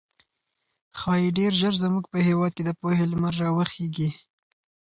ښايي ډېر ژر زموږ په هېواد کې د پوهې لمر راوخېږي.